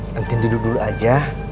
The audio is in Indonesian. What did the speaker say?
nanti duduk dulu aja